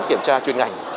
kiểm tra chuyên ngành